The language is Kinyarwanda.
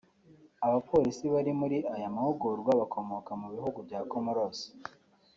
Abapolisi bari muri aya mahugurwa bakomoka mu bihugu bya Comoros